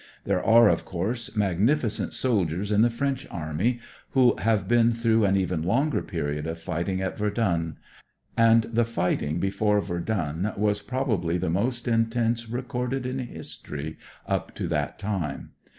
There are, of course, magnificent soldiers in the French Army who have been through an even longer period of fighting at Verdun; and the fighting before 86 THE COCKNEY FIGHTER 87 . Verdun was probably the most intense recorded in history up to that time.